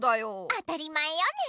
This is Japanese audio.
当たり前よね！